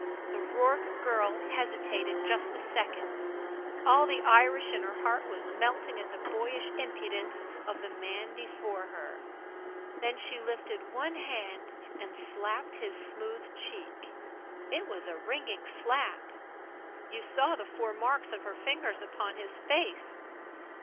The Rourke girl hesitated just a second. All the Irish heart in her was melting at the boyish impudence of the man before her. Then she lifted one hand and slapped his smooth cheek. It was a ringing slap. You saw the four marks of her fingers upon his face.